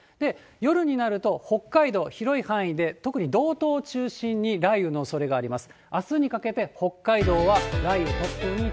夜になると、北海道、広い範囲で、特に道東を中心に雷雨のおそれがあります。